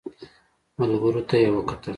ملګرو ته يې وکتل.